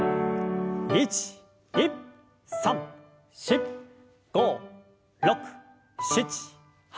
１２３４５６７８。